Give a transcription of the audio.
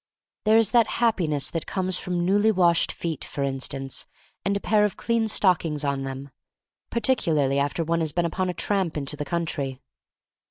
There is that happiness that comes from newly washed feet, for instance, and a pair of clean stockings on them, particularly after one has been upon a tramp into the country.